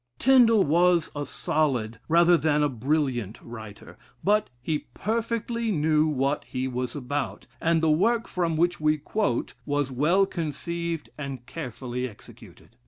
Tindal was a solid, rather than a brilliant writer: but he perfectly knew what he was about; and the work from which we quote, was well conceived and carefully executed.